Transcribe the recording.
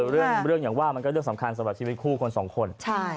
เรื่องอย่างว่ามันก็เรื่องสำคัญสำหรับชีวิตคู่คนสองคน